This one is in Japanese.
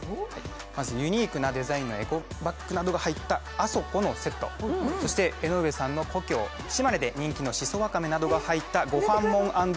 まず、ユニークなデザインのエコバッグなどが入ったＡＳＯＫＯのセット、そして江上さんの故郷、島根で人気のしそわかめなどが人気のごはんもん＆